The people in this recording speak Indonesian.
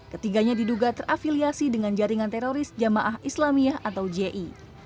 ketiganya diduga terafiliasi dengan jaringan teroris jamaah islamiyah atau ji